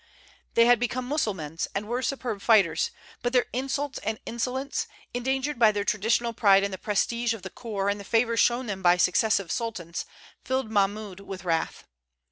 They had all become Mussulmans, and were superb fighters; but their insults and insolence, engendered by their traditional pride in the prestige of the corps and the favor shown them by successive Sultans, filled Mahmoud with wrath.